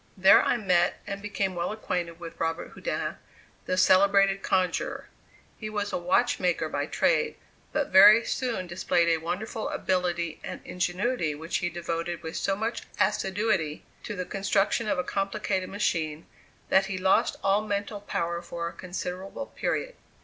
There I met and became well acquainted with Robert Houdin, the celebrated conjurer. He was a watchmaker by trade, but very soon displayed a wonderful ability and ingenuity which he devoted with so much assiduity to the construction of a complicated machine, that he lost all mental power for a considerable period.